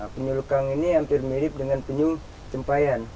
penyuh lekang ini hampir mirip dengan penyuh tempayan